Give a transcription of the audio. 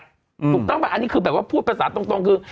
ถูกต้องป่ะอันนี้คือแบบว่าพูดภาษาตรงคือ